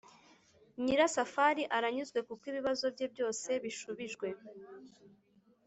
nyirasafari aranyuzwe kuko ibibazo bye byose bishubijwe ;